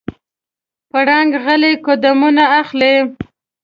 پړانګ غلی قدمونه اخلي.